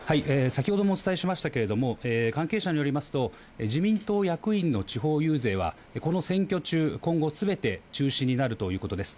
先ほども伝えしましたけれども関係者によりますと自民党役員の地方遊説はこの選挙中、今後すべて中止になるということです。